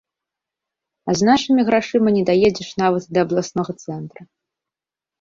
А з нашымі грашыма не даедзеш нават да абласнога цэнтра.